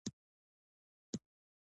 آیا موږ بوټان تولیدوو؟